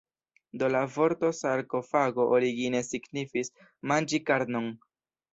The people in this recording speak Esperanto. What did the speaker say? Do la vorto sarkofago origine signifis "manĝi karnon".